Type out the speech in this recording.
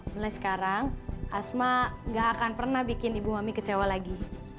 mulai sekarang asma gak akan pernah bikin ibu mami kecewa lagi